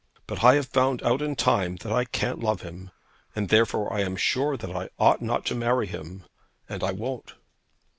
But I have found out in time that I can't love him; and therefore I am sure that I ought not to marry him, and I won't.'